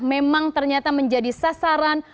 memang ternyata menjadi sasaran